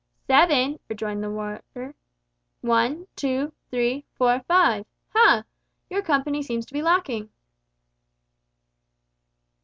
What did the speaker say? "Seven!" rejoined the warder. "One—two—three—four—five. Ha! your company seems to be lacking."